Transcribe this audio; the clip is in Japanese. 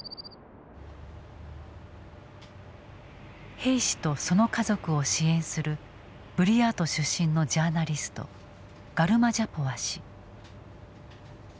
兵士とその家族を支援するブリヤート出身のジャーナリストガルマジャポワ氏。